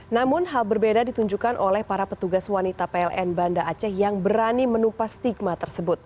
namun hal berbeda ditunjukkan oleh para petugas wanita pln banda aceh yang berani menupas stigma tersebut